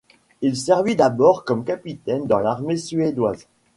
Il servit d'abord comme capitaine dans l'armée suédoise.